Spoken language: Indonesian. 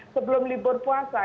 sebelum libur puasa